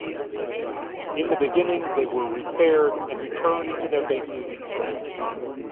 In the beginning, they were repaired and returned to their bases in France.